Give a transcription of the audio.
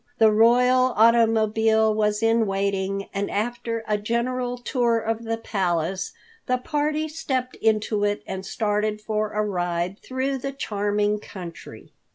The royal automobile was in waiting, and after a general tour of the Palace the party stepped into it and started for a ride through the charming country.